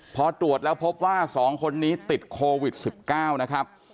พอตรวจแล้วพบว่า๒คนนี้ติดโควิด๑๙นะครับ